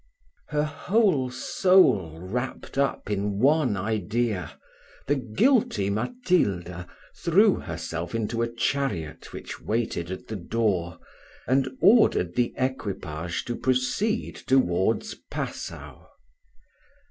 Her whole soul wrapped up in one idea, the guilty Matilda threw herself into a chariot which waited at the door, and ordered the equipage to proceed towards Passau.